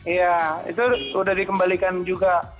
iya itu udah dikembalikan juga